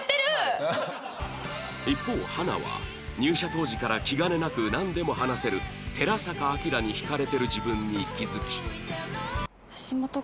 一方花は入社当時から気兼ねなくなんでも話せる寺坂晃に惹かれてる自分に気付き